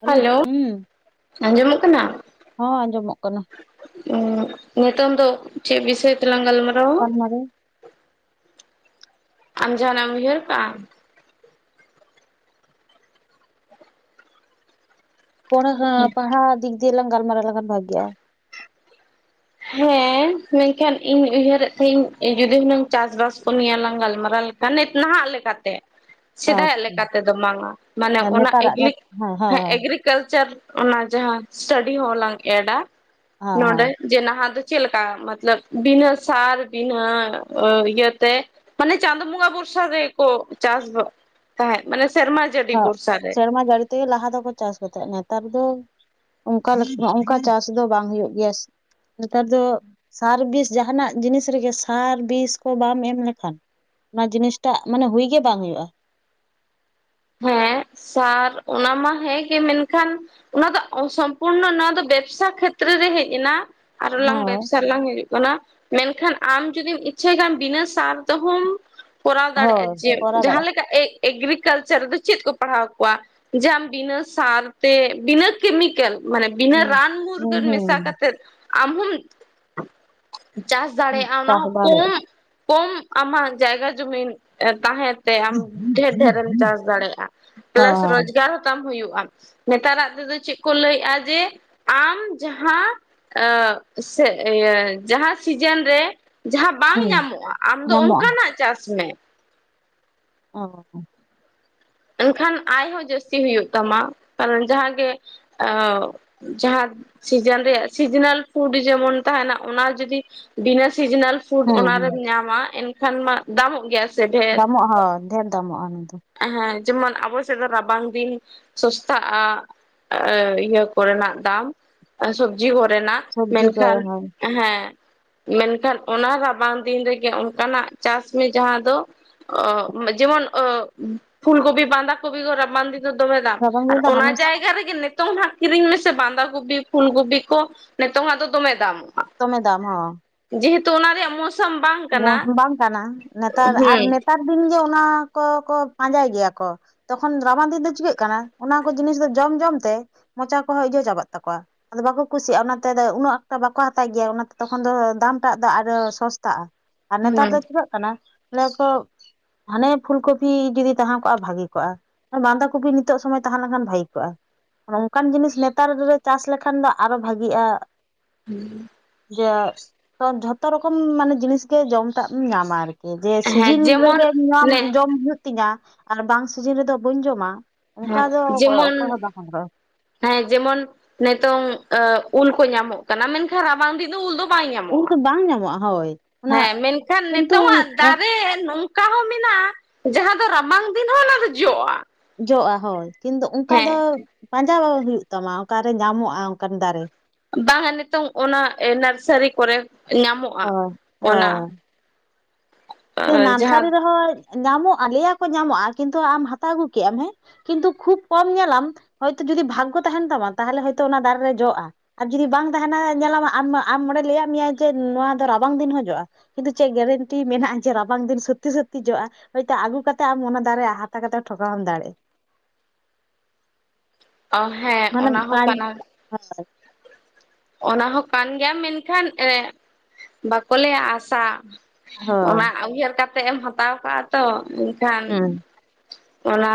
Hello ᱦᱩᱸ ᱟᱸᱡᱚᱢᱚᱜ ᱠᱟᱱᱟ ᱦᱚᱸ ᱟᱸᱡᱚᱢᱚᱜ ᱠᱟᱱᱟ [unintelligible] ᱱᱤᱛᱚᱝ ᱫᱚ ᱪᱮᱛ ᱵᱤᱥᱚᱭ ᱛᱮᱞᱟᱝ ᱜᱟᱞᱢᱟᱨᱟᱣᱟ? ᱜᱟᱞᱢᱟᱨᱟᱣ ᱟᱢ ᱡᱟᱦᱟᱱᱟᱜ ᱮᱢ ᱩᱭᱦᱟᱹᱨ ᱠᱟᱜᱼᱟ᱾ ᱯᱟᱲᱦᱟᱣ ᱫᱤᱠ ᱫᱤᱭᱮ ᱞᱟᱝ ᱜᱟᱞᱢᱟᱨᱟᱣ ᱞᱮᱱᱠᱷᱟᱱ ᱵᱷᱟᱜᱮ-ᱟ᱾ ᱦᱮᱸ ᱢᱮᱱᱠᱷᱟᱱ ᱤᱧ ᱩᱭᱦᱟᱹᱨᱮᱫ ᱛᱟᱦᱮᱸᱱᱟ ᱡᱩᱫᱤ ᱦᱩᱱᱟᱹᱝ ᱪᱟᱥᱵᱟᱥ ᱠᱚ ᱱᱮᱭᱟᱞᱟᱝ ᱜᱟᱞᱢᱟᱨᱟᱣ ᱱᱤᱛ ᱱᱟᱦᱟᱜ ᱞᱮᱠᱟᱛᱮ ᱥᱮᱫᱟᱭᱟᱜ ᱟᱪᱪᱷᱟ ᱞᱮᱠᱟᱛᱮᱫᱚ ᱵᱟᱝᱟ ᱢᱟᱱᱮ ᱟᱨ ᱚᱱᱟ ᱱᱮᱛᱟᱨᱟᱜ ᱱᱮ ᱦᱮᱸ ᱦᱮᱸ ᱮᱜᱽᱨᱤᱠᱟᱞᱪᱟᱨ ᱚᱱᱟ ᱡᱟᱦᱟᱸ ᱥᱴᱟᱰᱤ ᱦᱚᱞᱟᱝ ᱮᱰᱟ ᱦᱮᱸ ᱱᱚᱰᱮ ᱡᱮ ᱪᱮᱫ ᱞᱮᱠᱟ ᱢᱚᱛᱞᱚᱵᱽ ᱛᱤᱱᱟᱹ ᱥᱟᱞ ᱛᱤᱱᱟᱹ ᱤᱭᱟᱹᱛᱮ ᱢᱟᱱᱮ ᱪᱟᱸᱫ [unintelligible] ᱵᱚᱨᱥᱟ ᱨᱮᱠᱚ ᱪᱟᱥ ᱛᱟᱦᱮᱸ ᱢᱟᱱᱮ ᱥᱮᱨᱢᱟ ᱡᱟᱹᱲᱤ ᱵᱷᱚᱨᱥᱟ ᱨᱮ ᱥᱮᱨᱢᱟ ᱡᱟᱹᱲᱤ ᱛᱮᱜᱮ ᱞᱟᱦᱟ ᱫᱚᱠᱚ ᱪᱟᱥ ᱛᱟᱦᱮᱸ ᱱᱮᱛᱟᱨ ᱫᱚ ᱚᱱᱠᱟ ᱪᱟᱥ ᱫᱚ ᱵᱟᱝ ᱦᱩᱭᱩᱜ ᱜᱮᱭᱟ᱾ ᱱᱮᱛᱟᱨ ᱫᱚ ᱥᱟᱨ ᱵᱤᱥ ᱡᱟᱦᱟᱱᱟᱜ ᱡᱤᱱᱤᱥ ᱨᱮᱜᱮ ᱥᱟᱨ ᱵᱤᱥ ᱠᱚ ᱵᱟᱢ ᱮᱢ ᱞᱮᱠᱷᱟᱱ ᱚᱱᱟ ᱡᱤᱱᱤᱥᱴᱟᱜ ᱢᱟᱱᱮ ᱦᱩᱭ ᱜᱮ ᱵᱟᱝ ᱦᱩᱭᱩᱜᱼᱟ᱾ ᱦᱮᱸ ᱥᱟᱨ ᱚᱱᱟ ᱢᱟ ᱦᱮᱸᱜᱮ ᱢᱮᱱᱠᱷᱟᱱ ᱚᱱᱟ ᱫᱚ ᱥᱚᱢᱯᱩᱨᱱᱚ ᱱᱚᱣᱟ ᱫᱚ ᱵᱮᱵᱥᱟ ᱠᱷᱮᱛᱨᱮ ᱵᱷᱤᱛᱨᱤ ᱨᱮ ᱦᱮᱡ ᱮᱱᱟ ᱟᱨᱚ ᱞᱟᱝ ᱦᱳᱭ ᱵᱮᱵᱽᱥᱟ ᱨᱮ ᱞᱟᱝ ᱦᱤᱡᱩᱜ ᱠᱟᱱᱟ ᱢᱮᱱᱠᱷᱟᱱ ᱟᱢ ᱡᱩᱫᱤᱢ ᱤᱪᱪᱷᱟᱹᱭ ᱠᱷᱟᱱ ᱵᱤᱱᱟᱹ ᱥᱟᱨ ᱛᱮᱦᱚᱢ ᱠᱚᱨᱟᱣ ᱦᱳᱭ ᱫᱟᱲᱮᱭᱟᱜᱼᱟ ᱡᱮ ᱠᱚᱨᱟᱣ ᱡᱟᱦᱟᱸᱮ ᱫᱟᱲᱮᱭᱟᱜ ᱞᱮᱠᱟ ᱮ ᱮᱜᱨᱤᱠᱟᱞ ᱨᱮᱫᱚ ᱪᱮᱫ ᱠᱚ ᱯᱟᱲᱦᱟᱣ ᱠᱚᱣᱟ ᱡᱟᱢ ᱵᱤᱱᱟᱹ ᱥᱟᱨ ᱛᱮ ᱵᱤᱱᱟᱹ ᱠᱮᱢᱤᱠᱮᱞ ᱢᱟᱱᱮ ᱵᱤᱱᱟᱹ ᱦᱩᱸ ᱨᱟᱱ ᱦᱩᱸ ᱢᱩᱨᱜᱟᱹᱱ ᱢᱮᱥᱟ ᱠᱟᱛᱮ ᱟᱢ ᱦᱚᱢ ᱪᱟᱥ ᱦᱩᱸ ᱫᱟᱲᱮᱭᱟᱜᱼᱟ ᱚᱱᱟ ᱪᱟᱥ ᱦᱚᱸ ᱠᱚᱢ ᱫᱟᱲᱮᱭᱟᱜ ᱠᱚᱢ ᱟᱢᱟᱜ ᱡᱟᱭᱜᱟ ᱡᱩᱚᱢᱤᱱ ᱛᱟᱦᱮᱸ ᱟᱢ ᱰᱷᱮᱨ ᱰᱷᱮᱨᱢ ᱪᱟᱥ ᱫᱟᱲᱮᱭᱟᱜᱼᱟ ᱯᱞᱟᱥ ᱦᱚᱸ ᱨᱳᱡᱽᱜᱟᱨ ᱦᱚᱸᱛᱟᱢ ᱦᱩᱭᱩᱜᱼᱟ᱾ ᱱᱮᱛᱟᱨᱟᱜ ᱛᱮᱫᱚ ᱪᱮᱫ ᱠᱚ ᱞᱟᱹᱭᱮᱫᱼᱟ ᱡᱮ ᱟᱢ ᱡᱟᱦᱟᱸ ᱥᱮ ᱤᱭᱟᱹ ᱡᱟᱦᱟᱸ ᱥᱤᱡᱮᱱ ᱨᱮ ᱡᱟᱦᱟᱸ ᱵᱟᱝ ᱦᱮᱸ ᱧᱟᱢᱚᱜᱼᱟ ᱟᱢ ᱫᱚ ᱧᱟᱢᱚᱜᱼᱟ ᱚᱱᱠᱟᱱᱟᱜ ᱪᱟᱥ ᱢᱮ ᱚ ᱮᱱᱠᱷᱟᱱ ᱟᱭᱦᱚᱸ ᱡᱟᱹᱥᱛᱤ ᱦᱩᱭᱩᱜ ᱛᱟᱢᱟ ᱠᱟᱨᱚᱱ ᱡᱟᱦᱟᱸᱜᱮ ᱡᱟᱦᱟᱸ ᱥᱤᱡᱮᱱ ᱨᱮᱭᱟᱜ ᱥᱤᱡᱤᱱᱟᱞ ᱯᱷᱩᱰ ᱡᱮᱢᱚᱱ ᱛᱟᱦᱮᱸᱱᱟ ᱚᱱᱟ ᱡᱩᱫᱤ ᱵᱤᱱᱟᱹ ᱥᱤᱡᱤᱱᱟᱞ ᱯᱷᱩᱰ ᱦᱮᱸ ᱚᱱᱟ ᱦᱮᱸ ᱨᱮᱢ ᱧᱟᱢᱟ ᱮᱱᱠᱷᱟᱱ ᱢᱟ ᱫᱟᱢᱚᱜ ᱜᱮᱭᱟ ᱥᱮ ᱰᱷᱮᱨ ᱫᱟᱢᱚᱜ ᱦᱚᱸ ᱰᱷᱮᱨ ᱫᱟᱢᱚᱜᱼᱟ ᱚᱱᱟᱫᱚ ᱮ ᱡᱮᱢᱚᱱ ᱟᱵᱚ ᱥᱮᱫ ᱫᱚ ᱨᱟᱵᱟᱝ ᱫᱤᱱ ᱥᱚᱥᱛᱟᱜᱼᱟ ᱤᱭᱟᱹ ᱠᱚᱨᱮᱱᱟᱜ ᱫᱟᱢ ᱥᱚᱵᱡᱤ ᱠᱚᱨᱮ ᱨᱮᱱᱟᱜ ᱥᱚᱵᱽᱡᱤ ᱠᱚ ᱢᱮᱱᱠᱷᱟᱱ ᱦᱚᱸ ᱦᱮᱸ ᱢᱮᱱᱠᱷᱟᱱ ᱚᱱᱟ ᱨᱟᱵᱟᱝ ᱫᱤᱱ ᱨᱮᱜᱮ ᱚᱱᱠᱟᱱᱟᱜ ᱪᱟᱥ ᱢᱮ ᱡᱟᱦᱟᱸ ᱫᱚ ᱡᱮᱢᱚᱱ ᱯᱷᱩᱞ ᱠᱚᱯᱤ ᱵᱟᱸᱫᱷᱟᱠᱯᱤ ᱜ ᱵᱟᱸᱫ ᱫᱚ ᱫᱚᱢᱮ ᱫᱟᱢ ᱨᱟᱵᱟᱝ ᱟᱨ ᱫᱤᱱ ᱫᱚ ᱚᱱᱟ ᱦᱟᱢᱮᱥ ᱡᱟᱭᱜᱟ ᱨᱮᱜ ᱱᱤᱛᱚᱝ ᱦᱜ ᱠᱤᱨᱤᱧ ᱢᱮᱥᱮ ᱵᱟᱸᱫᱟᱷᱟ ᱠᱚᱯᱤ ᱯᱷᱩᱞ ᱠᱚᱯᱤ ᱠᱚ ᱱᱤᱛᱚᱝᱟᱜ ᱫᱚ ᱫᱚᱢᱮ ᱫᱟᱢ ᱫᱚᱢᱮ ᱫᱟᱢ ᱦᱚᱸ ᱡᱮᱦᱮᱛᱩ ᱚᱱᱟ ᱨᱮᱭᱟᱜ ᱢᱚᱸᱡᱽ ᱵᱟᱝ ᱠᱟᱱᱟ ᱱᱮᱛᱟᱨ ᱟᱨ ᱦᱩᱸ ᱱᱮᱛᱟᱨ ᱫᱤᱱ ᱜᱮ ᱚᱱᱟ ᱠᱚ ᱯᱟᱸᱡᱟᱭ ᱜᱮᱭᱟ ᱠᱚ ᱛᱚᱠᱷᱚᱱ ᱨᱟᱵᱟᱝ ᱫᱤᱱ ᱫᱚ ᱪᱤᱠᱟᱹᱜ ᱠᱟᱱᱟ ᱚᱱᱟ ᱠᱚ ᱡᱤᱱᱤᱥ ᱫᱚ ᱡᱚᱢ ᱡᱚᱢ ᱛᱮ ᱢᱚᱪᱟ ᱠᱚᱦᱚᱸ ᱤᱡᱚ ᱪᱟᱵᱟᱜ ᱛᱟᱠᱚᱣᱟᱫᱚ ᱵᱟᱠᱚ ᱠᱩᱥᱤᱭᱟᱜᱼᱟ ᱚᱱᱟᱛᱮ ᱩᱱᱟᱹᱜ ᱮᱠᱴᱟ ᱵᱟᱠᱚ ᱦᱟᱛᱟᱣ ᱜᱮᱭᱟ ᱛᱚᱠᱷᱚᱱ ᱫᱚ ᱫᱟᱢᱴᱟᱜ ᱫᱚ ᱟᱨᱚ ᱥᱚᱥᱛᱟᱜᱼᱟ ᱟᱨ ᱱᱮᱛᱟᱨ ᱦᱩᱸ ᱫᱚ ᱪᱤᱠᱟᱹᱜ ᱠᱟᱱᱟ ᱠᱚ ᱦᱟᱱᱮ ᱯᱷᱩᱞ ᱠᱚᱯᱤ ᱡᱩᱫᱤ ᱛᱟᱦᱮᱸ ᱠᱚᱜᱼᱟ ᱵᱷᱟᱹᱜᱤ ᱠᱚᱜᱼᱟ᱾ ᱵᱟᱸᱷᱟ ᱠᱚᱯᱤ ᱱᱤᱛᱚᱜ ᱥᱚᱢᱚᱭ ᱛᱟᱦᱮᱸ ᱞᱮᱱᱠᱷᱟᱱ ᱵᱷᱟᱹᱜᱤ ᱠᱚᱜᱼᱟ᱾ ᱚᱱᱠᱟᱱ ᱡᱤᱱᱤᱥ ᱱᱮᱛᱟᱨ ᱨᱮ ᱪᱟᱥ ᱞᱮᱠᱷᱟᱱ ᱫᱚ ᱟᱨᱚ ᱵᱷᱟᱜᱤᱜᱼᱟ᱾ ᱦᱮᱸ [inaudible] [unintelligible] ᱡᱷᱚᱛᱚ ᱨᱚᱠᱚᱢ ᱢᱟᱱᱮ ᱡᱤᱱᱤᱥ ᱜᱮ ᱡᱚᱢ ᱴᱟᱜ ᱮᱢ ᱧᱟᱢᱟ ᱟᱨᱠᱤ ᱡᱮ ᱦᱮᱸ ᱥᱤᱡᱤᱱ ᱡᱮᱢᱚᱱ ᱨᱮᱜᱮ ᱧᱟᱢ ᱦᱮᱸ ᱡᱚᱢ ᱦᱩᱭᱩᱜ ᱛᱤᱧᱟ ᱟᱨ ᱵᱟᱝ ᱥᱤᱡᱤᱱ ᱨᱮᱫᱚ ᱵᱟᱹᱧ ᱡᱚᱢᱟ ᱚᱱᱠᱟ ᱦᱮᱸ ᱫᱚ ᱚᱠᱚᱭ ᱡᱮᱢᱚᱱ ᱦᱚᱸ ᱵᱟᱝ ᱦᱚᱨᱚᱜᱼᱟ, ᱦᱮᱸ ᱡᱮᱢᱚᱱ ᱱᱤᱛᱚᱝ ᱩᱞ ᱠᱚ ᱧᱟᱢᱚᱜ ᱠᱟᱱᱟ ᱢᱮᱱᱠᱷᱟᱱ ᱨᱟᱵᱟᱝ ᱫᱤᱱ ᱫᱚ ᱩᱞ ᱫᱚ ᱵᱟᱭ ᱩᱞ ᱧᱟᱢᱚᱜᱼᱟ ᱫᱚ ᱵᱟᱝ ᱧᱟᱢᱚᱜᱼᱟ ᱦᱳᱭ ᱚᱱᱟ ᱦᱮᱸ ᱢᱮᱱᱠᱷᱟᱱ ᱠᱤᱱᱛᱩ ᱱᱤᱛᱚᱜᱟᱜ ᱫᱟᱨᱮ ᱱᱚᱝᱠᱟ ᱚᱠᱟ ᱦᱚᱸ ᱢᱮᱱᱟᱜᱼᱟ ᱡᱟᱦᱟᱸ ᱫᱚ ᱨᱟᱵᱟᱝ ᱫᱤᱱ ᱦᱚᱸ ᱚᱱᱟ ᱫᱚ ᱡᱚᱜᱼᱟ ᱡᱚᱜᱼᱟ ᱦᱳᱭ ᱠᱤᱱᱛᱩ ᱚᱱᱠᱟ ᱦᱮᱸ ᱫᱚ ᱦᱩᱭᱩᱜ ᱛᱟᱢᱟ ᱚᱠᱟᱨᱮ ᱧᱟᱢᱚᱜᱼᱟ ᱚᱱᱠᱟᱱ ᱫᱟᱨᱮ ᱵᱟᱝᱟ ᱱᱤᱛᱚᱝ ᱚᱱᱟ ᱱᱟᱨᱥᱟᱨᱤ ᱠᱚᱨᱮ ᱧᱟᱢᱚᱜᱼᱟ ᱦᱳᱭ ᱚᱱᱟ ᱦᱳᱭ ᱡᱟᱦᱟᱸ ᱱᱟᱨᱥᱟᱨᱤ ᱨᱮᱦᱚᱸ ᱧᱟᱢᱚᱜᱼᱟ ᱞᱟᱹᱭᱟ ᱠᱚ ᱧᱟᱢᱚᱜᱼᱟ ᱠᱤᱱᱛᱩ ᱟᱢ ᱦᱟᱛᱟᱣ ᱟᱹᱜᱩ ᱠᱮᱫᱟᱢ ᱦᱮᱸ ᱠᱤᱱᱛᱩ ᱠᱷᱩᱵ ᱠᱚᱢ ᱧᱮᱞᱟᱢ ᱦᱚᱭᱛᱳ ᱡᱩᱫᱤ ᱵᱷᱟᱜᱚ ᱛᱟᱦᱮᱱ ᱛᱟᱢᱟ ᱛᱟᱦᱚᱞᱮ ᱦᱚ ᱚᱱᱟ ᱫᱟᱨᱮᱨᱮ ᱡᱚᱜᱼᱟ ᱟᱨ ᱡᱩᱫᱤ ᱵᱟᱝ ᱛᱟᱦᱮᱸᱱᱟ ᱧᱮᱞᱟᱢ ᱟᱢ ᱱᱚᱰᱮ ᱞᱟᱹᱭᱟᱢ ᱢᱮᱟᱭ ᱡᱮ ᱱᱚᱣᱟ ᱫᱚ ᱨᱟᱵᱟᱝ ᱫᱤᱱ ᱦᱚᱤᱡᱚᱜᱼᱟ ᱠᱤᱱᱛᱩ ᱪᱮᱫ ᱜᱮᱨᱮᱱᱴᱤ ᱢᱮᱱᱟᱜᱼᱟ ᱮ ᱨᱟᱵᱟᱝ ᱫᱤᱱ ᱥᱚᱛᱤ ᱥᱚᱛᱤ ᱡᱚᱜᱼᱟ ᱦᱚᱳᱭᱛᱳ ᱟᱹᱜᱩ ᱠᱟᱛᱮ ᱟᱢ ᱚᱱᱟ ᱫᱟᱨᱮ ᱦᱟᱛᱟᱣ ᱠᱟᱛᱮ ᱴᱷᱚᱠᱟᱣ ᱦᱚᱸᱢ ᱫᱟᱲᱮᱭᱟᱜᱼᱟ [inaudible] ᱦᱮᱸ ᱚᱱᱟ ᱢᱟᱱᱮ ᱦᱚᱸ ᱠᱟᱱᱟ ᱚᱱᱟ ᱦᱚᱸ ᱠᱟᱱ ᱜᱮᱭᱟᱢ ᱢᱮᱱᱠᱷᱟᱱ ᱵᱟᱠᱚ ᱞᱟᱹᱭᱟ ᱟᱥᱟ ᱦᱳᱭ ᱚᱱᱟ ᱩᱭᱦᱟᱹᱨ ᱠᱟᱛᱮᱜ ᱮᱢ ᱦᱟᱛᱟᱣ ᱠᱟᱜᱼᱟ ᱛᱚ ᱮᱱᱠᱷᱟᱱ ᱦᱩᱸ ᱚᱱᱟ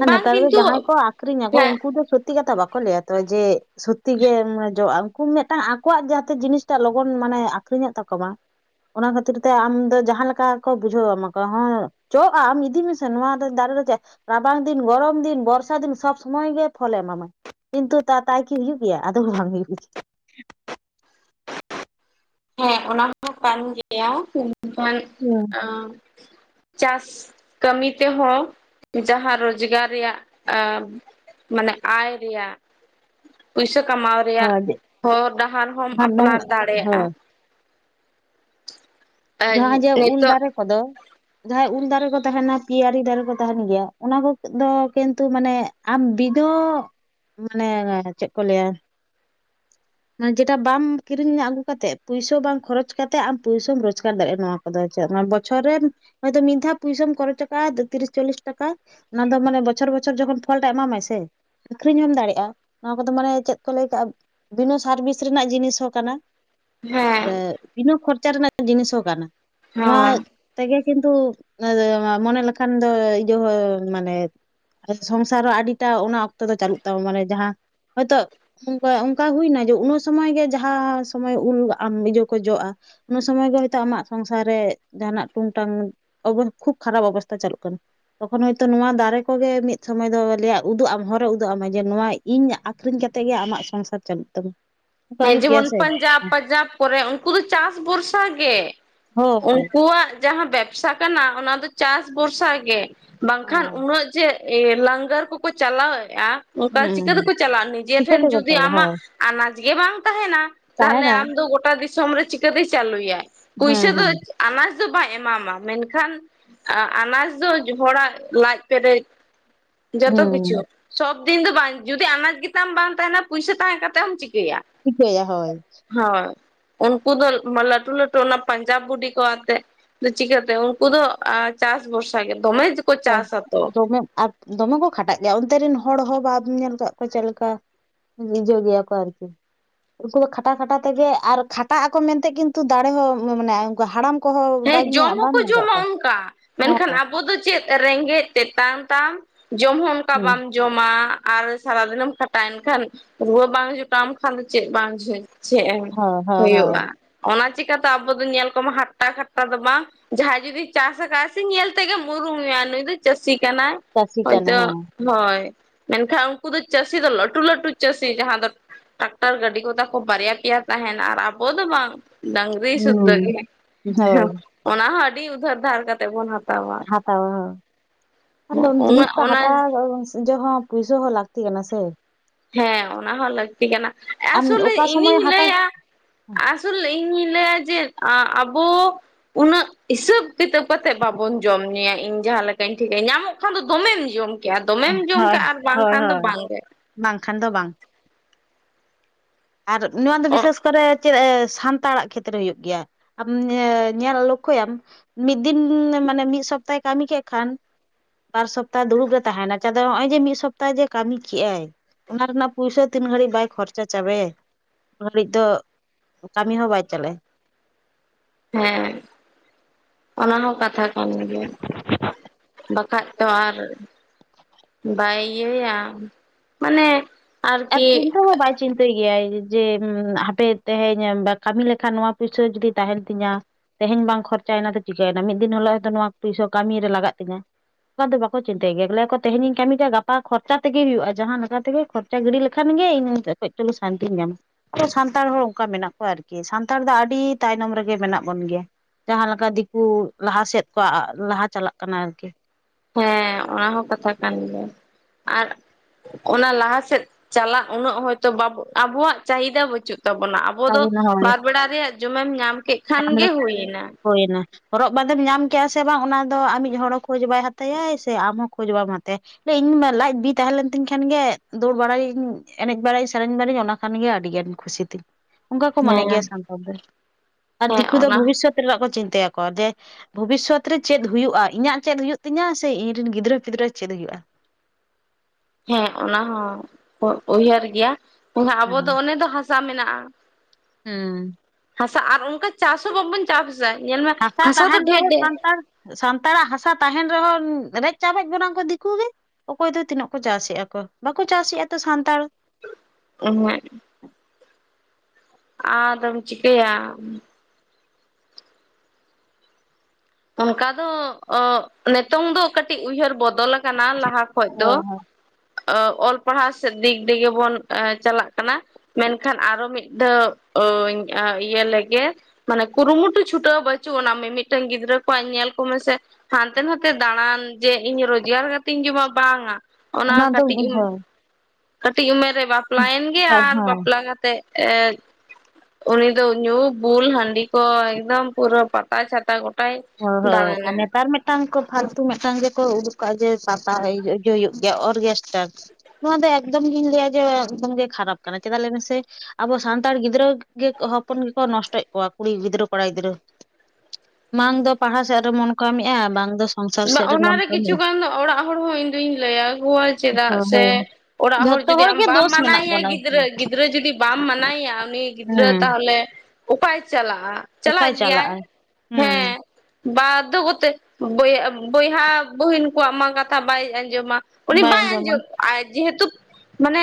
ᱟᱨ ᱱᱮᱛᱟᱨ ᱫᱚ ᱠᱤᱱᱛᱩ ᱡᱟᱦᱟᱸᱭ ᱠᱚ ᱟᱠᱷᱨᱤᱧ ᱧᱟᱠᱚ ᱦᱮᱸ ᱩᱱᱠᱩ ᱫᱚ ᱥᱚᱛᱷᱤ ᱠᱟᱛᱷᱟ ᱵᱟᱠᱚ ᱞᱟᱹᱭᱟ ᱛᱚ ᱡᱮ ᱥᱚᱛᱤ ᱜᱮᱟᱱᱮ ᱡᱚᱜ ᱩᱱᱠᱩ ᱢᱤᱫᱴᱟᱝ ᱟᱠᱚᱣᱟᱜ ᱡᱛᱮ ᱡᱤᱱᱤᱥᱴᱟᱜ ᱞᱚᱜᱚᱱ ᱢᱟᱱᱮ ᱟᱠᱷᱨᱤᱧᱚᱜ ᱛᱟᱠᱚ ᱢᱟᱟ ᱚᱱᱟ ᱠᱷᱟᱹᱛᱤᱨ ᱛᱮ ᱟᱢ ᱫᱚ ᱡᱟᱦᱟᱸ ᱞᱮᱠᱟ ᱠᱚ ᱵᱩᱡᱷᱟᱹᱣ ᱟᱢᱟ ᱠᱚᱣᱟ ᱦᱚ ᱪᱚᱜᱼᱟ ᱟᱢ ᱤᱫᱤ ᱢᱮᱥᱮ ᱱᱚᱶᱟ ᱨᱮ ᱫᱟᱨᱮ ᱨᱟᱵᱟᱝ ᱫᱤᱱ ᱜᱚᱨᱚᱢ ᱫᱤᱱ ᱵᱚᱨᱥᱟ ᱫᱤᱱ ᱥᱚᱵ ᱥᱚᱢᱚᱭ ᱜᱮ ᱯᱷᱚᱞ ᱮ ᱮᱢᱟᱢᱟᱭ ᱠᱤᱱᱛᱩ ᱛᱟᱛᱟᱭ ᱠᱤ ᱦᱩᱭᱩᱜ ᱜᱮᱭᱟ ᱟᱫᱚ ᱵᱟᱝ ᱦᱩᱭᱩᱜ ᱜᱮᱭᱟ ᱦᱮᱸ ᱚᱱᱟ ᱦᱚᱸ ᱠᱟᱱ ᱜᱮᱭᱟ ᱢᱮᱱᱠᱷᱟᱱ ᱜᱮᱭᱟ ᱪᱟᱥ ᱠᱟᱹᱢᱤ ᱛᱮᱦᱚᱸ ᱡᱟᱦᱟᱸ ᱨᱳᱡᱽᱜᱟᱨ ᱨᱮᱭᱟᱜ ᱢᱟᱱᱮ ᱟᱭ ᱨᱮᱭᱟᱜ ᱯᱩᱭᱥᱟᱹ ᱠᱟᱢᱟᱣ ᱨᱮᱭᱟᱜ ᱦᱚᱨ ᱰᱟᱦᱟᱨ ᱦᱚᱢ ᱦᱮᱸ ᱟᱯᱱᱟᱨ ᱫᱟᱲᱮᱭᱟᱜᱼᱟ ᱦᱳᱭ ᱟᱨ ᱡᱟᱦᱟᱸ ᱡᱮ ᱩᱞ ᱱᱤᱛᱚᱜ ᱫᱟᱨᱮ ᱠᱚᱫᱚ ᱡᱟᱦᱟᱸᱭ ᱩᱞ ᱫᱟᱨᱮ ᱠᱚ ᱛᱟᱦᱮᱸᱱᱟ ᱯᱮᱤᱭᱟᱨᱤ ᱫᱟᱨᱮ ᱠᱚ ᱛᱟᱦᱮᱸᱱ ᱜᱮᱭᱟ ᱚᱱᱟ ᱠᱚᱫᱚ ᱠᱤᱱᱛᱩ ᱢᱟᱱᱮ ᱟᱢ ᱵᱤᱫᱟᱹ ᱢᱟᱱᱮ ᱪᱮᱫ ᱠᱚ ᱞᱟᱹᱭᱟ? ᱢᱟᱱᱮ ᱡᱮᱴᱟ ᱵᱟᱢ ᱠᱤᱨᱤᱧᱚᱜ ᱟᱹᱜᱩ ᱠᱟᱛᱮᱜ ᱯᱚᱭᱥᱟ ᱵᱟᱝ ᱠᱷᱚᱨᱚᱪ ᱠᱟᱛᱮ ᱟᱢ ᱯᱚᱭᱥᱟᱢᱢ ᱨᱳᱡᱽᱜᱟᱨᱼᱟ ᱪᱟᱨ ᱫᱟᱲᱮᱭᱟᱜᱼᱟ ᱱᱚᱣᱟ ᱠᱚᱫᱚ ᱵᱚᱪᱷᱚᱨ ᱨᱮ ᱢᱤᱫ ᱫᱷᱟᱣ ᱯᱚᱭᱥᱟᱹᱟᱢ ᱠᱷᱚᱨᱚᱪ ᱟᱠᱟᱟᱜᱼᱟ ᱛᱤᱨᱤᱥ ᱪᱚᱞᱞᱤᱥ ᱴᱟᱠᱟ ᱚᱱᱟ ᱫᱚ ᱢᱟᱱ ᱵᱚᱪᱷᱚᱨ ᱵᱚᱪᱷᱚᱨ ᱡᱚᱠᱷᱚᱱ ᱯᱷᱚᱞ ᱴᱟᱜ ᱮ ᱮᱢᱟᱢᱟᱭ ᱥᱮ ᱟ. ᱠᱷᱨᱤᱧ ᱦᱚᱸᱢ ᱫᱟᱲᱮᱭᱟᱜᱼᱟ ᱱᱚᱣᱟ ᱠᱚᱫᱚ ᱢᱟᱱᱮ ᱪᱮᱫ ᱠᱚ ᱞᱟᱹᱭ ᱠᱟᱜᱼᱟ ᱵᱤᱱᱟᱹ ᱥᱟᱨᱵᱷᱤᱥ ᱨᱮᱱᱟᱜ ᱡᱤᱱᱤᱥ ᱦᱚᱸ ᱠᱟᱱᱟ ᱟᱨ ᱦᱮᱸ ᱵᱤᱱᱟᱹ ᱠᱷᱚᱨᱪᱟ ᱨᱮᱱᱟᱜ ᱡᱤᱱᱤᱥ ᱦᱚᱸ ᱠᱟᱱᱟ ᱱᱚᱣᱟ ᱦᱚᱸ ᱛᱮᱜᱮ ᱠᱤᱱᱛᱩ ᱢᱚᱱᱮ ᱞᱮᱠᱷᱟᱱ ᱫᱚ ᱤᱭᱟᱹ ᱦᱚᱸ ᱢᱟᱱᱮ ᱥᱚᱝᱥᱟᱨ ᱦᱚᱸ ᱟᱹᱰᱤᱴᱟ ᱚᱱᱟ ᱚᱠᱛᱚ ᱫᱚ ᱪᱟᱹᱞᱩᱜ ᱛᱟᱢᱟ ᱢᱟᱱᱮ ᱡᱟᱦᱟᱸ ᱦᱚᱭᱛᱳᱠᱟ ᱚᱱᱠᱟ ᱦᱩᱭᱱᱟ ᱡᱮ ᱩᱱᱟᱹᱜ ᱥᱚᱢᱚᱭ ᱜᱮ ᱡᱟᱦᱟᱸ ᱥᱚᱢᱚᱭ ᱩᱞ ᱟᱢ ᱤᱭᱟᱹ ᱠᱚ ᱡᱚᱜᱼᱟ ᱩᱱ ᱥᱚᱢᱚᱭ ᱜ ᱟᱢᱟᱜ ᱥᱚᱝᱥᱟᱨ ᱨᱮ ᱡᱟᱦᱟᱱᱟᱜ ᱴᱩᱱᱴᱟᱝ ᱠᱷᱩᱵᱽ ᱠᱷᱟᱨᱟᱯ ᱚᱵᱚᱥᱛᱟᱷᱟ ᱪᱟᱹᱟᱞᱩᱜ ᱠᱟᱱᱟ ᱛᱚᱠᱷᱚᱱ ᱦᱚᱳᱭᱛᱳ ᱱᱚᱶᱟ ᱫᱟᱨᱮ ᱠᱚᱜᱮ ᱢᱤᱫ ᱥᱚᱢᱚᱭ ᱫᱚ ᱟᱞᱮᱭᱟ ᱩᱫᱩᱜ ᱟᱢ ᱦᱚᱨᱮ ᱩᱫᱩᱜ ᱟᱢ ᱡᱮ ᱱᱚᱣᱟ ᱤᱧ ᱟᱠᱷᱨᱤᱧ ᱠᱟᱛᱮ ᱠᱟᱛᱮᱜ ᱜᱮ ᱟᱢᱟᱜ ᱥᱚᱝᱥᱟᱨ ᱪᱟᱹᱞᱩᱜ ᱛᱟᱢᱟ ᱚᱱᱠᱟ ᱦᱮᱸ ᱦᱩᱭᱩᱜ ᱜᱮᱭᱟ ᱡᱮᱢᱚᱱ ᱥᱮ ᱯᱟᱧᱡᱟᱵᱽ ᱯᱟᱧᱡᱟᱵᱽ ᱠᱚᱨᱮ ᱩᱱᱠᱩ ᱫᱚ ᱪᱟᱥ ᱵᱷᱚᱨᱥᱟ ᱜᱮ ᱦᱳᱭ ᱩᱱᱠᱩ ᱣᱟᱜ ᱡᱟᱦᱟᱸ ᱵᱮᱵᱥᱟ ᱠᱟᱱᱟ ᱚᱱᱟ ᱫᱚ ᱪᱟᱥ ᱵᱷᱚᱨᱥᱟ ᱜᱮ ᱵᱟᱝᱠᱷᱟᱱ ᱩᱱᱟᱹᱜ ᱡᱮ ᱞᱟᱝᱜᱟᱨ ᱠᱚᱠᱚ ᱪᱟᱞᱟᱣᱮᱫ ᱚᱱᱠᱟ ᱪᱤᱠᱟᱹ ᱦᱮᱸ ᱛᱮᱠᱚ ᱪᱟᱞᱟᱜᱼᱟ ᱱᱤᱡᱮ ᱴᱷᱮᱱ ᱪᱤᱠᱟᱹᱛᱮᱠᱚ ᱡᱩᱫᱤ ᱪᱟᱹᱞᱩ ᱟᱢᱟᱜ ᱦᱳᱭ ᱟᱱᱟᱡ ᱜᱮ ᱵᱟᱝ ᱛᱟᱦᱮᱸᱱᱟ ᱛᱟᱦᱚᱞᱮ ᱛᱟᱦᱮᱱᱟ ᱟᱢ ᱫᱚ ᱜᱚᱴᱟ ᱫᱤᱥᱚᱢ ᱨᱮ ᱪᱤᱠᱟᱹᱛᱮᱭ ᱪᱟᱹᱞᱩᱭᱟᱭ? ᱦᱩᱸ ᱯᱩᱭᱥᱟᱹ ᱫᱚ ᱦᱩᱸ ᱟᱱᱟᱪ ᱫᱚ ᱵᱟᱭ ᱮᱢᱟᱢᱟ ᱢᱮᱱᱠᱷᱟᱱ ᱟᱱᱟᱡᱽ ᱫᱚ ᱦᱚᱲᱟᱜ ᱞᱟᱡ ᱯᱮᱨᱮᱡ ᱡᱚᱛᱚ ᱠᱤᱪᱷᱩ ᱦᱩᱸ ᱥᱚᱵᱫᱤᱱ ᱫᱚ ᱵᱟᱝ ᱡᱩᱫᱤ ᱟᱱᱟᱡ ᱜᱮᱛᱟᱢ ᱵᱟᱝ ᱛᱟᱦᱮᱸᱱᱟ ᱯᱩᱭᱥᱟᱹ ᱛᱟᱦᱮᱸ ᱠᱟᱛᱮ ᱦᱚᱸ ᱪᱤᱠᱟ. ᱪᱤᱠᱟᱭᱟ ᱦᱳᱭ ᱩᱱᱠᱩ ᱫᱚ ᱞᱟᱹᱴᱩ ᱞᱟᱹᱴᱩ ᱚᱱᱟ ᱯᱟᱧᱡᱟᱵᱽ ᱵᱩᱰᱤ ᱠᱚ ᱟᱛᱮ ᱪᱤᱠᱟᱹᱛᱮ ᱩᱱᱠᱩ ᱫᱚ ᱪᱟᱥ ᱵᱷᱚᱨᱥᱟ ᱜᱮ ᱫᱚᱢᱮ ᱜᱮᱠᱚ ᱛᱚ ᱪᱟᱥ ᱟᱛᱚ ᱫᱚᱢᱮ ᱟᱨ ᱫᱚᱢᱮ ᱠᱚ ᱠᱷᱟᱴᱟᱜ ᱜᱮᱭᱟ ᱚᱱᱛᱮ ᱨᱮᱱ ᱦᱚᱲ ᱦᱚᱸ ᱵᱟᱢ ᱧᱮᱞ ᱟᱠᱟᱫ ᱠᱚᱣᱟ ᱪᱮᱫ ᱞᱮᱠᱟ [unintelligible] ᱠᱚ ᱟᱨᱠᱤ ᱩᱱᱠᱩ ᱫᱚ ᱠᱷᱟᱴᱟ ᱠᱷᱟᱴᱟ ᱛᱮᱜᱮ ᱟᱨ ᱠᱷᱟᱴᱟᱜ ᱟᱠᱚ ᱢᱮᱱᱛᱮ ᱠᱤᱱᱛᱩ ᱫᱟᱲᱮ ᱦᱚᱸ ᱢᱟᱱᱮ ᱩᱱᱠᱩ ᱦᱟᱲᱟᱢ ᱠᱚᱦᱚᱸ ᱵᱟᱢ ᱦᱮᱸ ᱧᱮᱞ ᱡᱚᱢ ᱵᱟᱢ ᱦᱚᱸᱠᱚ ᱧᱮᱞ ᱠᱟᱜ ᱡᱚᱢᱟ ᱠᱚᱣᱟ ᱚᱱᱠᱟ ᱢᱮᱱᱠᱷᱟᱱ ᱦᱚᱸ ᱟᱵᱚ ᱫᱚ ᱪᱮᱫ ᱨᱮᱸᱜᱮᱡ ᱛᱮᱛᱟᱝ ᱛᱟᱢ ᱡᱚᱢ ᱦᱚᱸ ᱚᱱᱠᱟ ᱦᱩᱸ ᱵᱟᱢ ᱡᱚᱢᱟ ᱟᱨ ᱥᱟᱨᱟ ᱫᱤᱱᱮᱢ ᱠᱷᱟᱴᱟᱭᱮᱱ ᱠᱷᱟᱱ ᱨᱩᱣᱟᱹ ᱵᱟᱝ ᱡᱚᱴᱟᱣ ᱟᱢ ᱠᱷᱟᱱ ᱫᱚ ᱪᱮᱫ ᱵᱟᱝ ᱡᱷ ᱪᱮ ᱦᱳᱭ ᱦᱳᱭ ᱦᱳᱭ ᱦᱩᱭᱩᱜᱼᱟ ᱚᱱᱟ ᱪᱤᱠᱠᱟᱛᱮ ᱟᱵᱚ ᱫᱚ ᱧᱮᱞ ᱠᱚᱢᱟ ᱦᱟᱴᱴᱟ ᱠᱷᱟᱴᱴᱟ ᱟᱫᱚ ᱵᱟᱝ ᱡᱟᱦᱟᱸᱭ ᱡᱩᱫᱤ ᱪᱟᱥ ᱠᱟ ᱟᱭ ᱥᱮ ᱩᱱᱤ ᱫᱚ ᱧᱮᱞ ᱛᱮᱜᱮᱢ ᱩᱨᱩᱢᱮᱭᱟ ᱱᱩᱭ ᱫᱚ ᱪᱟᱹᱥᱤ ᱠᱟᱱᱟᱢ ᱪᱟᱹᱥᱤ ᱠᱟᱱᱟᱭ ᱦᱚᱛᱳ ᱦᱮᱸ ᱦᱚᱭ ᱢᱮᱱᱠᱷᱟᱱ ᱩᱱᱠᱩ ᱫᱚ ᱪᱟᱹᱥᱤ ᱫᱚ ᱞᱟᱹᱴᱩ ᱞᱟᱹᱴᱩ ᱪᱟᱹᱥᱤ ᱡᱟᱦᱟᱸ ᱫᱚ ᱴᱟᱠᱴᱟᱨ ᱜᱟᱹᱰᱤ ᱠᱚᱫᱚ ᱠᱷᱩ ᱵᱟᱨᱭᱟ ᱯᱮᱭᱟ ᱛᱟᱦᱮᱸᱱᱟ ᱟᱨ ᱟᱵᱚ ᱫᱚ ᱵᱟᱝ ᱰᱟᱹᱟᱝᱨᱤ ᱥᱩᱫᱽᱫᱷᱟᱹ ᱜᱮ ᱦᱩᱸ ᱦᱳᱭ ᱚᱱᱟ ᱦᱚᱸ ᱟᱹᱰᱤ ᱩᱫᱷᱟᱹᱨ ᱫᱷᱟᱨ ᱠᱟᱛᱮᱜ ᱵᱚᱱ ᱦᱟᱛᱟ ᱦᱟᱛᱟᱟᱣ ᱛᱟᱦᱚᱞᱮ ᱡᱤᱱᱤᱥ ᱩᱱᱟᱹᱜ ᱠᱚ ᱚᱱᱟ ᱦᱟᱛᱟᱣ [unintelligible] ᱯᱩᱭᱥᱟᱹ ᱦᱚᱸ ᱞᱟᱹᱠᱛᱤ ᱠᱟᱱᱟ ᱥᱮ ᱦᱮᱸ ᱚᱱᱟ ᱦᱚᱸ ᱞᱟᱹᱠᱛᱤ ᱠᱟᱱᱟ ᱟᱢ ᱟᱥᱚᱞᱮ ᱚᱠᱟ ᱥᱚᱢᱚᱭ ᱤᱧᱤᱧ ᱦᱟᱛᱟᱣ ᱞᱟᱹᱭᱟ ᱟᱥᱚᱞᱮ ᱤᱧᱤᱞ ᱞᱮᱭᱟ ᱡᱮ ᱟᱜ ᱟᱵᱚ ᱩᱱᱟᱹᱜ ᱦᱤᱥᱟᱹᱵ ᱠᱤᱛᱟᱹᱵ ᱠᱟᱛᱮᱜ ᱵᱟᱵᱚᱱ ᱡᱚᱢ ᱧᱩᱭᱟ ᱤᱧ ᱡᱟᱦᱟᱸ ᱞᱮᱠᱟᱧ ᱴᱷᱤᱠᱟᱹ ᱧᱟᱢᱚᱜ ᱠᱷᱟᱱ ᱫᱚ ᱫᱚᱢᱮᱢ ᱡᱚᱢ ᱠᱮᱜᱼᱟ ᱫᱚᱢᱮᱢ ᱡᱚᱢ ᱠᱮᱜᱼᱟ ᱟᱨ ᱵᱟᱝᱠᱷᱟᱱ ᱫᱚ ᱵᱟᱝᱜᱮ ᱠᱷᱟᱱ ᱫᱚ ᱵᱟᱝ ᱟᱨ ᱱᱚᱣᱟ ᱫᱚ ᱵᱤᱥᱮᱥ ᱠᱚᱨᱮ ᱪᱮᱫ ᱥᱟᱱᱛᱟᱲᱟᱜ ᱠᱷᱮᱛᱨᱮ ᱦᱩᱭᱩᱜ ᱜᱮᱭᱟ ᱟᱢ ᱧᱮ ᱧᱮᱞ ᱞᱚᱠᱠᱷᱚᱭᱟᱢ ᱢᱤᱫ ᱫᱤᱱ ᱢᱟᱱᱮ ᱢᱤᱫ ᱥᱚᱯᱛᱟᱭ ᱠᱟᱹᱢᱤ ᱠᱮᱫ ᱠᱷᱟᱱ ᱵᱟᱨ ᱥᱚᱯᱛᱟᱦ ᱥᱚᱯᱛᱟ ᱫᱩᱲᱩᱵ ᱨᱮ ᱛᱟᱦᱮᱭᱱᱟ ᱫᱚ ᱚᱜ ᱚᱚᱭ ᱡᱮ ᱢᱤᱫ ᱥᱚᱯᱛᱟᱦ ᱡᱮ ᱠᱟᱹᱢᱤ ᱠᱮᱜ-ᱟᱭ ᱚᱱᱟ ᱨᱮᱱᱟᱜ ᱯᱩᱭᱥᱟ ᱛᱤᱱ ᱜᱷᱟᱹᱲᱤᱡ ᱵᱟᱭ ᱠᱷᱚᱨᱪᱟ ᱪᱟᱵᱟᱭᱮᱜ ᱜᱷᱟᱹᱲᱤᱡ ᱫᱚ ᱠᱟᱹᱢᱤ ᱦᱚᱸ ᱵᱟᱭ ᱪᱟᱞᱟᱭ ᱦᱮᱸ ᱚᱱᱟ ᱦᱚᱸ ᱠᱟᱛᱷᱟ ᱠᱟᱱ ᱜᱮᱭᱟ ᱵᱟᱠᱷᱟᱡ ᱛᱚ ᱟᱨ ᱵᱟᱭ ᱤᱭᱟᱹᱭᱟ ᱢᱟᱱᱮ ᱟᱨ ᱟᱨᱠᱤ ᱪᱤᱱᱛᱟᱹ ᱦᱚᱸ ᱵᱟᱭ ᱪᱤᱱᱛᱟᱹ ᱜᱮᱭᱟᱭ ᱡᱮ-ᱢ ᱦᱟᱯᱮ ᱛᱮᱦᱮᱧ ᱠᱟᱹᱢᱤ ᱞᱮᱠᱷᱟᱱ ᱱᱚᱣᱟ ᱯᱩᱭᱥᱟᱹ ᱡᱩᱫᱤ ᱛᱟᱦᱮᱱ ᱛᱤᱧᱟᱹ ᱛᱮᱦᱮᱧ ᱵᱟᱝ ᱠᱷᱚᱨᱪᱟᱭᱮᱱᱟ ᱛᱚ ᱪᱤᱠᱟᱹᱭᱮᱱᱟ ᱢᱤᱫ ᱫᱤᱱ ᱦᱤᱞᱳᱜ ᱦᱚᱭᱛᱳ ᱱᱚᱣᱟ ᱯᱚᱭᱥᱟ ᱠᱟᱹᱢᱤ ᱨᱮ ᱞᱟᱜᱟᱜ ᱛᱤᱧᱟ᱾ ᱚᱱᱠᱟ ᱫᱚ ᱵᱟᱠᱚ ᱪᱤᱱᱛᱟᱹᱭ ᱜᱮᱭᱟ ᱞᱮᱭᱟ ᱠᱚ ᱛᱮᱦᱮᱤᱧ ᱠᱟᱹᱢᱤ ᱠᱤ-ᱟ ᱜᱟᱯᱟ ᱠᱷᱚᱨᱪᱟ ᱛᱮᱜᱮ ᱦᱩᱭᱩᱜᱼᱟ ᱡᱟᱦᱟᱸ ᱞᱮᱠᱟ ᱛᱮᱜᱮ ᱠᱷᱚᱨᱪᱟ [unintelligible] ᱞᱮᱠᱷᱟᱱ ᱜᱮ ᱤᱧ ᱠᱟᱹᱡ ᱪᱩᱞᱩ ᱥᱟᱱᱛᱤᱧ ᱧᱟᱢ [inaudible] ᱥᱟᱱᱛᱟᱲ ᱦᱚᱲ ᱚᱝᱠᱟ ᱢᱮᱱᱟᱜ ᱠᱚᱣᱟ ᱟᱨᱠᱤ ᱥᱟᱱᱛᱟᱲ ᱫᱚ ᱟᱹᱰᱤ ᱟᱹᱰᱤ ᱛᱟᱭᱱᱚᱢ ᱨᱮᱜᱮ ᱢᱮᱱᱟᱜ ᱵᱚᱱ ᱜᱮᱭᱟ᱾ ᱡᱟᱦᱟᱸ ᱞᱮᱠᱟ ᱫᱤᱠᱩ ᱞᱟᱦᱟ ᱥᱮᱫ ᱠᱚ ᱟᱜ ᱟᱜ ᱞᱟᱦᱟ ᱪᱟᱞᱟᱜ ᱠᱟᱱᱟ ᱟᱨᱠᱤ ᱦᱮᱸ ᱚᱱᱟ ᱦᱚᱸ ᱠᱟᱛᱷᱟ ᱠᱟᱱ ᱜᱮᱭᱟ᱾ ᱟᱨ ᱚᱱᱟ ᱞᱟᱦᱟ ᱥᱮᱫ ᱪᱟᱞᱟᱜ ᱩᱱᱟᱹᱜ ᱦᱚᱭᱛᱚ ᱵᱟᱵᱜ ᱟᱵᱚᱣᱟᱜ ᱪᱟᱦᱤᱫᱟ ᱵᱟᱹᱪᱩᱜᱱᱟ ᱛᱟᱵᱚᱱᱟ ᱟᱵᱚ ᱫᱚ ᱛᱟᱵᱚᱱᱟ ᱦᱳᱭ ᱵᱟᱨ ᱵᱮᱲᱟ ᱨᱮᱭᱟᱜ ᱡᱚᱢᱮᱢ ᱧᱟᱢ ᱠᱮᱜ ᱠᱷᱟᱱ ᱧᱟᱢ ᱜᱮ ᱞᱮ ᱦᱩᱭ ᱮᱱᱟ᱾ ᱦᱳᱭᱱᱟ ᱦᱚᱨᱚᱜ ᱵᱟᱸᱫᱮᱢ ᱧᱟᱢ ᱠᱮᱜᱼᱟ ᱥᱮ ᱵᱟᱝ ᱚᱱᱟ ᱫᱚ ᱟᱢᱤᱡ ᱦᱚᱲ ᱦᱚᱸ ᱠᱷᱳᱡᱽ ᱵᱟᱭ ᱦᱟᱛᱟᱭᱟᱭ ᱥᱮ ᱟᱢ ᱦᱚᱸ ᱠᱷᱳᱡᱽ ᱵᱟᱢ ᱦᱟᱛᱟᱭᱟ ᱤᱧ ᱤᱧ ᱢᱟ ᱞᱟᱡ ᱵᱤ ᱛᱟᱦᱮᱸ ᱞᱮᱱ ᱛᱤᱧ ᱠᱷᱟᱱ ᱜᱮ ᱫᱳᱹᱲ ᱵᱟᱲᱟᱭᱟᱹᱧ ᱮᱱᱮᱡ ᱵᱟᱲᱟᱭᱟᱹᱧ ᱥᱮᱨᱮᱧ ᱵᱟᱲᱟᱭᱟᱹᱧ ᱚᱱᱟ ᱠᱷᱟᱱ ᱜᱮ ᱟᱹᱰᱤ ᱜᱟᱱ ᱠᱷᱩᱥᱤ ᱛᱤᱧ ᱚᱝᱠᱟ ᱠᱚ ᱢᱚᱱᱮ ᱜᱮᱭᱟ ᱦᱮᱸ ᱥᱟᱱᱛᱟᱲ ᱫᱚ ᱟᱨ ᱦᱮᱸ ᱫᱤᱠᱩ ᱫᱚ ᱚᱱᱟ ᱵᱷᱚᱵᱤᱥᱥᱚᱛ ᱨᱮᱭᱟᱜ ᱠᱚ ᱪᱤᱱᱛᱟᱹ ᱟᱠᱚ ᱡᱮ ᱵᱷᱚᱵᱤᱥᱥᱚᱛ ᱨᱮ ᱪᱮᱫ ᱦᱩᱭᱩᱜᱼᱟ ᱤᱧᱟᱹᱜ ᱪᱮᱫ ᱦᱩᱭᱩᱜ ᱛᱤᱧᱟᱹ ᱥᱮ ᱤᱧ ᱨᱮᱱ ᱜᱤᱫᱽᱨᱟᱹ ᱯᱤᱫᱽᱨᱟᱹ ᱪᱮᱫ ᱦᱩᱭᱩᱜᱼᱟ᱾ [inaudible] ᱦᱮᱸ ᱚᱱᱟ ᱦᱚᱸ ᱩᱭᱦᱟᱹᱨ ᱜᱮᱭᱟ ᱤᱧ ᱟᱵᱚ ᱫᱚ ᱚᱱᱮ ᱫᱚ ᱦᱟ [unintelligible] ᱥᱟ ᱢᱮᱱᱟᱜᱼᱟ᱾ ᱦᱩᱸ ᱦᱟᱥᱟ ᱟᱨ ᱚᱱᱠᱟ ᱪᱟᱥ ᱦᱚᱸ ᱵᱟᱝᱵᱚᱱ ᱪᱟᱥ ᱦᱟᱥᱟ ᱛᱟᱦᱮᱱ ᱨᱮᱦᱚᱸ ᱥᱟᱱᱛᱟᱲ ᱥᱟᱱᱛᱟᱲᱟᱜ ᱦᱟᱥᱟ ᱛᱟᱦᱮᱱ ᱨᱮᱦᱚᱸ ᱨᱮᱡ ᱪᱟᱵᱟᱭᱮᱫ ᱵᱚᱱᱟ ᱠᱚ ᱫᱤᱠᱩ ᱜᱮ ᱚᱠᱚᱭ ᱫᱚ ᱛᱤᱱᱟᱹᱜ ᱠᱚ ᱪᱟᱥᱮᱜ-ᱟ ᱠᱚ ᱵᱟᱠᱚ ᱪᱟᱥᱮᱜ-ᱟ ᱛᱚ ᱥᱟᱱᱛᱟᱲ ᱩᱦᱩᱜ ᱟ-ᱫᱚᱢ ᱪᱤᱠᱟᱭᱟ ᱚᱱᱠᱟ ᱫᱚ ᱚᱜ ᱱᱤᱛᱚᱝ ᱫᱚ ᱠᱟᱹᱴᱤᱡ ᱩᱭᱦᱟᱹᱨ ᱵᱚᱫᱚᱞ ᱟᱠᱟᱱᱟ ᱠᱟᱱᱟ ᱞᱟᱦᱟ ᱠᱷᱚᱡ ᱫᱚ ᱦᱳᱭ ᱦᱳᱭ ᱚᱞ ᱯᱟᱲᱦᱟᱣ ᱥᱮᱫ ᱫᱤᱠ ᱫᱤᱱ ᱜᱮ ᱵᱚᱱ ᱪᱟᱞᱟᱜ ᱠᱟᱱᱟ ᱢᱮᱱᱠᱷᱟᱱ ᱟᱨᱚ ᱢᱤᱫ ᱫᱷᱟᱣ ᱚᱝ ᱟ ᱤᱭᱟᱹ ᱞᱮᱜᱮ ᱢᱟᱱᱮ ᱠᱩᱨᱩᱢᱩᱴᱩ ᱪᱷᱩᱴᱟᱹᱣ ᱵᱟᱹᱪᱩᱜᱼᱟᱱᱟ ᱢᱤ ᱢᱤᱫᱴᱟᱝ ᱜᱤᱫᱽᱨᱟᱹ ᱧᱮᱞ ᱠᱚ ᱢᱮᱥᱮ ᱦᱟᱱᱛᱮ ᱱᱟᱛᱮ ᱫᱟᱬᱟᱱ ᱪᱮᱜ ᱤᱧ ᱨᱳᱡᱽᱜᱟᱨ ᱠᱟᱛᱮ ᱤᱧ ᱡᱚᱢᱟ ᱵᱟᱝᱟ ᱚᱱᱟ ᱫᱚ ᱠᱟᱹᱴᱤᱡ ᱦᱳᱭ ᱤᱧ ᱠᱟᱹᱴᱤᱡ ᱩᱢᱮᱨ ᱨᱮ ᱵᱟᱯᱞᱟ ᱭᱮᱱ ᱜᱮ ᱟᱨ ᱦᱳᱭ ᱵᱟᱯᱞᱟ ᱠᱟᱛᱮᱜ ᱮ- ᱩᱱᱤ ᱫᱚ ᱧᱩ ᱵᱩᱞ ᱦᱟᱹᱱᱰᱤ ᱠᱚᱭ ᱮᱠᱫᱚᱢ ᱯᱩᱨᱟᱹ ᱯᱟᱛᱟ ᱪᱷᱟᱛᱟ ᱜᱚᱴᱟᱭ ᱦᱳ ᱦᱳᱭ ᱟᱨ ᱫᱟᱬᱟᱱᱟ ᱱᱮᱛᱟᱨ ᱢᱤᱫᱴᱟᱝ ᱠᱚ ᱯᱷᱟᱞᱛᱩ ᱢᱮᱫᱴᱟᱝ ᱜᱮ ᱠᱚ ᱩᱰᱩᱠᱟᱜᱼᱟ ᱡᱮ ᱯᱟᱛᱟ ᱦᱩᱭᱩᱜ ᱜᱮᱭᱟ ᱚᱨᱜᱮᱥᱴᱟᱨ ᱱᱚᱣᱟ ᱫᱚ ᱮᱠᱫᱚᱢ ᱜᱤᱧ ᱞᱮᱭᱟ ᱡᱮ ᱮᱠ ᱫᱚᱢ ᱜᱮ ᱠᱷᱟᱨᱟᱯ ᱠᱟᱱᱟ ᱪᱮᱫᱟᱜ ᱞᱮ ᱢᱮᱥᱮ ᱟᱵᱚ ᱥᱟᱱᱛᱟᱲ ᱜᱤᱫᱽᱨᱟᱹ ᱜᱮ ᱦᱚᱯᱚᱱ ᱜᱮᱠᱚ ᱱᱚᱥᱴᱚᱭᱮᱫ ᱠᱚᱣᱟ ᱠᱩᱲᱤ ᱜᱤᱫᱽᱨᱟᱹ ᱨᱩ ᱵᱟᱲᱟᱭ ᱜᱤᱫᱽᱨᱟᱹ ᱢᱟᱝ ᱫᱚ ᱯᱟᱲᱦᱟᱣ ᱥᱮᱫ ᱨᱮ ᱢᱚᱱ ᱠᱚ ᱮᱢᱮᱫᱼᱟ ᱵᱟᱝ ᱫᱚ ᱥᱚᱝᱥᱟᱨ ᱵᱟ ᱥᱮᱫ ᱨᱮ ᱢᱚᱱ ᱚᱱᱟᱨᱮ ᱠᱚ ᱠᱤᱪᱷᱩ ᱮᱢᱮᱜᱼᱟ ᱜᱟᱱ ᱫᱚ ᱚᱲᱟᱜ ᱦᱚᱲᱦᱚ ᱤᱧ ᱫᱩᱧ ᱞᱟᱹᱭᱭᱟᱠᱚᱣᱟ ᱪᱮᱫᱟᱜ ᱦᱳᱭ ᱥᱮ ᱦᱳᱭ ᱚᱲᱟᱜ ᱦᱚᱲ ᱡᱷᱚᱛᱚ ᱡᱩᱫᱤ ᱟᱢ ᱜᱮ ᱵᱟᱢ ᱫᱳᱥ ᱢᱟᱱᱟ ᱢᱮᱱᱟᱜ ᱭᱮᱭᱟ ᱵᱚᱱᱟ ᱜᱤᱫᱽᱨᱟᱹ ᱜᱤᱫᱽᱨᱟᱹ ᱡᱩᱫᱤ ᱵᱟᱢ ᱢᱟᱱᱟ ᱭᱮᱭᱟ ᱩᱱᱤ ᱜᱤᱫᱽᱨᱟᱹ ᱦᱮᱸ ᱛᱟᱦᱚᱞᱮ ᱚᱠᱟᱭ ᱪᱟᱞᱟᱜᱼᱟ ᱚᱠᱚᱭ ᱪᱟᱞᱟᱜ ᱜᱮᱭᱟᱭ ᱪᱟᱞᱟᱜᱼᱟᱭ ᱦᱮᱸ ᱵᱟᱫᱷᱚ ᱠᱚᱛᱮ ᱵᱚᱭᱦᱟ ᱵᱚᱦᱤᱱ ᱠᱚᱣᱟᱜ ᱢᱟ ᱠᱟᱛᱷᱟ ᱵᱟᱹᱭ ᱟᱸᱡᱚᱢᱟ ᱩᱱᱤ ᱵᱟᱭ ᱵᱟᱹᱭ ᱟᱸᱡᱚᱢ ᱟᱸᱡᱚᱢᱟᱭ ᱡᱮᱦᱮᱛᱩ ᱢᱟᱱᱮ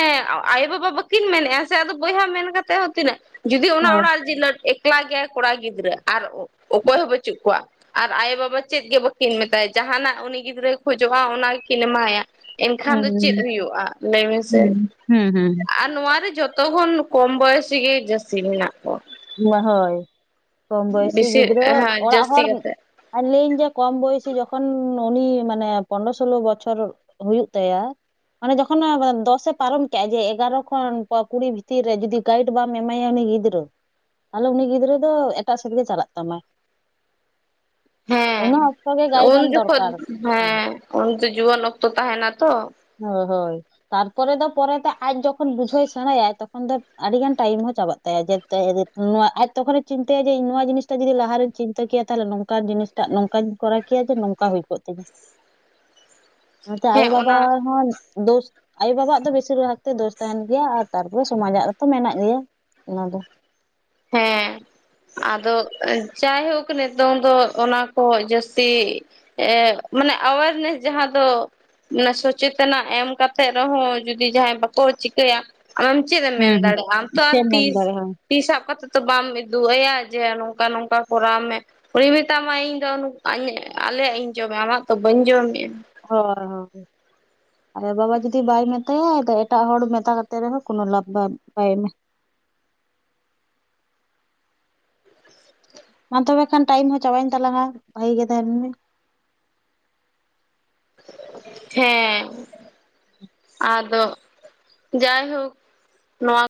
ᱟᱭᱳᱼᱵᱟᱵᱟ ᱵᱟᱹᱠᱤᱱ ᱢᱮᱱᱮᱫᱼᱟ ᱥᱮ ᱟᱫᱚ ᱵᱚᱭᱦᱟ ᱢᱮᱱ ᱠᱟᱛᱮᱫ ᱦᱚᱸ ᱛᱤᱱᱟᱹᱜ ᱡᱩᱫᱤ ᱚᱱᱟ ᱦᱚᱸ ᱚᱲᱟᱜ ᱨᱮᱜᱤ ᱞᱟ. ᱮᱠᱞᱟ ᱜᱮᱭᱟᱭ ᱠᱚᱲᱟ ᱜᱤᱫᱽᱨᱟᱹ ᱟᱨ ᱚᱠᱚᱭ ᱦᱚᱸ ᱵᱟᱹᱪᱩᱜ ᱠᱚᱣᱟ ᱟᱨ ᱟᱭᱳ ᱵᱟᱵᱟ ᱪᱮᱫ ᱜᱮ ᱵᱟᱹᱠᱤᱱ ᱢᱮᱛᱟ ᱡᱟᱦᱟᱸ ᱱᱟᱜ ᱩᱱᱤ ᱜᱤᱫᱽᱨᱟᱹᱭ ᱠᱷᱚᱡᱚᱜᱼᱟ ᱚᱱᱟ ᱜᱮᱠᱤᱱ ᱮᱢᱟᱭᱟ ᱮᱱᱠᱷᱟᱱ ᱫᱚ ᱪᱮᱫ ᱦᱩᱸ ᱦᱩᱭᱩᱜᱼᱟ ᱞᱟᱹᱭ ᱢᱮᱥᱮ ᱦᱩᱸ ᱦᱩᱸ ᱦᱩᱸ ᱟᱨ ᱱᱚᱶᱟ ᱨᱮ ᱡᱷᱚᱛ ᱡᱚᱛᱚᱠᱷᱚᱱ ᱠᱚᱢ ᱵᱚᱭᱮᱥ ᱨᱮᱜᱤ ᱡᱟᱹᱥᱛᱤ ᱢᱮᱱᱟᱜ ᱠᱚᱣᱟ ᱦᱳᱭ ᱠᱚᱢ ᱵᱚᱭᱥᱤ ᱵᱮᱥᱤ ᱜᱤᱫᱽᱨᱟᱹ ᱦᱮᱸ ᱚᱲᱟᱜ ᱡᱟᱹᱥᱛᱤ ᱦᱚᱲ ᱠᱟᱛᱮ ᱟᱹᱞᱤᱧ ᱫᱚ ᱠᱚᱢ ᱵᱚᱭᱚᱥᱤ ᱡᱚᱠᱷᱚᱱ ᱩᱱᱤ ᱢᱟᱱᱮ ᱯᱚᱱ ᱥᱳᱞᱳ ᱵᱚᱪᱷᱚᱨ ᱦᱩᱭᱩᱜ ᱛᱟᱭᱟ ᱢᱟᱱᱮ ᱡᱚᱠᱷᱚᱱ ᱫᱚᱥᱮ ᱯᱟᱨᱚᱢ ᱠᱮᱫᱮᱜᱼᱟ ᱡᱮ ᱮᱜᱟᱨᱳ ᱠᱷᱚᱱ ᱠᱩᱲᱤ ᱵᱷᱤᱛᱤᱨ ᱨᱮ ᱡᱩᱫᱤ ᱜᱟᱭᱤᱰ ᱵᱟᱢ ᱮᱢᱟᱭᱟ ᱩᱱᱤ ᱜᱤᱫᱽᱨᱟᱹ ᱛᱟᱦᱞᱮ ᱩᱱᱤ ᱜᱤᱫᱽᱨᱟᱹ ᱫᱚ ᱮᱴᱟᱜ ᱥᱮᱫ ᱜᱮ ᱪᱟᱞᱟᱜ ᱛᱟᱢᱟ [inaudible] ᱦᱮ ᱩᱱ ᱡᱚᱠᱷᱚᱱ ᱦᱮᱸ ᱩᱱ ᱫᱚ ᱡᱩᱣᱟᱹᱱ ᱚᱠᱛᱚ ᱛᱟᱦᱮᱱᱟ ᱛᱚ ᱦ ᱦᱳᱭ ᱛᱟᱨᱯᱚᱨᱮ ᱫᱚ ᱯᱚᱨᱮᱛᱮ ᱟᱡ ᱡᱚᱠᱷᱚᱱ ᱵᱩᱡᱷᱟᱹᱣ ᱥᱮᱬᱟᱭᱟᱭ ᱛᱚᱠᱷᱚᱱ ᱫᱚ ᱟᱹᱰᱤ ᱜᱟᱱ ᱴᱟᱭᱤᱢ ᱦᱚᱸ ᱪᱟᱞᱟᱜᱼᱟ ᱪ ᱛᱟᱭᱟ ᱟᱡ ᱛᱚᱠᱷᱚᱱᱮ ᱪᱤᱱᱛᱟᱹᱭᱟ ᱡᱮ ᱱᱚᱣᱟ ᱡᱤᱱᱤᱥᱟ ᱡᱩᱫᱤ ᱞᱟᱦᱟᱨᱮᱤᱧ ᱪᱤᱱᱛᱟᱹ ᱠᱮᱭᱟ ᱛᱟᱦᱚᱞᱮ ᱱᱚᱝᱠᱟᱱ ᱡᱤᱱᱤᱥ ᱴᱟᱜ ᱱᱚᱝᱠᱟᱧ ᱠᱚᱨᱟᱣ ᱠᱮᱭᱟ ᱡᱮ ᱱᱚᱝᱠᱟ ᱦᱩᱭ ᱠᱚᱜ ᱛᱤᱧᱟ ᱚᱱᱟᱛᱮ ᱦᱮᱸ ᱟᱭᱳᱼᱵᱟᱵᱟ ᱚᱱᱟ ᱦᱚᱸ ᱫᱳᱥ ᱟᱭᱳᱼᱵᱟᱵᱟᱜ ᱫᱚ ᱵᱮᱥᱤᱨ ᱵᱷᱟᱜᱽ ᱛᱮ ᱫᱳᱥ ᱛᱟᱦᱮᱱ ᱜᱮᱭᱟ ᱟᱨ ᱛᱟᱨᱯᱚᱨᱮ ᱥᱚᱢᱟᱡᱟᱜ ᱨᱮᱛᱚ ᱢᱮᱱᱟᱜ ᱜᱮᱭᱟ ᱚᱱᱟ ᱫᱚ ᱦᱮᱸ ᱟᱫᱚ ᱡᱟᱭᱦᱳᱠ ᱠᱟᱱᱟ ᱱᱤᱛᱚᱝ ᱫᱚ ᱚᱱᱟ ᱠᱚ ᱡᱟᱹᱥᱛᱤ ᱢᱟᱱᱮ ᱟᱣᱮᱨᱱᱮᱥ ᱡᱟᱦᱟᱸ ᱫᱚ [inaudible] ᱚᱱᱟ ᱥᱚᱪᱮᱛᱚᱱᱟ ᱮᱢ ᱠᱟᱛᱮᱫ ᱨᱮᱦᱚᱸ ᱡᱩᱚᱫᱤ ᱡᱟᱦᱟᱸᱭ ᱵᱟᱠᱚ ᱪᱤᱠᱟᱹᱭᱟ ᱟᱢ ᱫᱚᱢ ᱪᱮᱫ ᱮᱢ ᱦᱩᱸ ᱢᱮᱱ ᱦᱩᱸ ᱫᱟᱲᱮᱭᱟᱜᱼᱟ ᱟᱢ ᱛᱚ ᱪᱮᱫ ᱟᱨ ᱮᱢ ᱛᱤ ᱢᱮᱱ ᱫᱟᱲᱮᱭᱟᱜᱼᱟ ᱛᱤᱥᱟᱵ ᱠᱟᱛᱮ ᱛᱚ? ᱚ ᱵᱟᱢ ᱩᱫᱩᱜ ᱟᱭᱟ ᱡᱮ ᱱᱚᱝᱠᱟ ᱱᱚᱝᱠᱟ ᱠᱚᱨᱟᱣ ᱢᱮ ᱩᱱᱤ ᱢᱮᱛᱟᱢᱟᱭ ᱤᱧ ᱫᱚ ᱟᱞᱮᱭᱟᱜ ᱤᱧ ᱡᱚᱢᱟ ᱟᱢᱟᱜ ᱫᱚ ᱵᱟᱹᱧ ᱡᱚᱢᱮᱫᱼᱟ ᱦᱳᱭ ᱦᱳᱭ ᱟᱨ ᱵᱟᱵᱟ ᱡᱩᱫᱤ ᱵᱟᱭ ᱢᱮᱛᱟᱭᱟᱫᱚ ᱮᱴᱟᱜ ᱦᱚᱲ ᱢᱮᱛᱟᱛᱮᱫ ᱨᱮᱦᱚᱸ ᱠᱳᱱᱳ ᱞᱟᱵᱷ ᱵᱟᱭ [inaudible] ᱢᱟ ᱛᱚᱵᱮ ᱠᱷᱟᱱ ᱴᱟᱭᱤᱢ ᱦᱚᱸ ᱪᱟᱵᱟᱭᱧ ᱛᱟᱞᱟᱝᱼᱟ ᱵᱷᱟᱜᱤ ᱜᱮ ᱛᱟᱦᱮᱱ ᱢᱮ ᱦᱮᱸ ᱟᱫᱚ ᱡᱟᱭᱦᱳᱠ ᱱᱚᱣᱟ